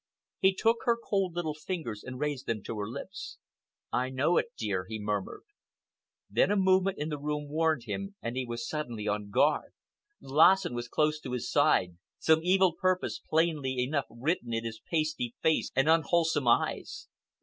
He took her cold little fingers and raised them to his lips. "I know it, dear," he murmured. Then a movement in the room warned him, and he was suddenly on guard. Lassen was close to his side, some evil purpose plainly enough written in his pasty face and unwholesome eyes.